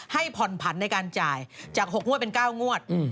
ให้ผ่อนผันในการจ่ายจาก๖งวดเป็น๙งวด